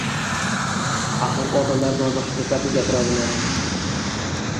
Axir, otalar doimo haqiqatni gapiradilar